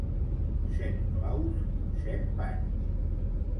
Set claus, set panys.